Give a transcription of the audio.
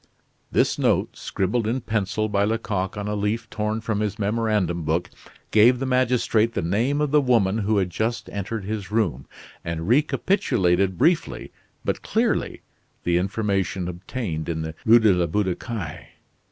This note, scribbled in pencil by Lecoq on a leaf torn from his memorandum book, gave the magistrate the name of the woman who had just entered his room, and recapitulated briefly but clearly the information obtained in the Rue de la Butte aux Cailles.